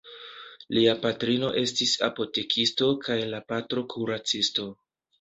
Lia patrino estis apotekisto kaj la patro kuracisto.